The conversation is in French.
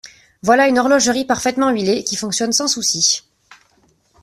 Voilà une horlogerie parfaitement huilée, qui fonctionne sans soucis.